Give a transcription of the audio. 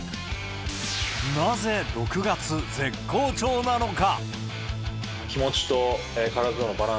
なぜ６月絶好調なのか。